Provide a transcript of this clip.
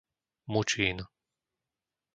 Mučín